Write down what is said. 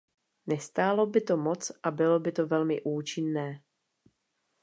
Nestálo by to moc a bylo by to velmi účinné.